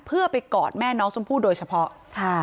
เพื่อไปกอดแม่น้องชมพู่โดยเฉพาะค่ะ